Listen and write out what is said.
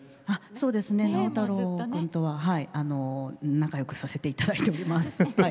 そうですね直太朗君とは仲よくさせていただいております。